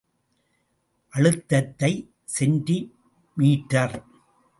அழுத்தத்தை செ.மீ.